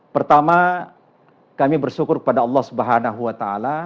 pertama kami bersyukur kepada allah swt